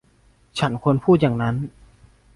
ฉันควรพูดอย่างนั้น !